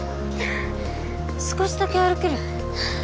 少しだけ歩ける？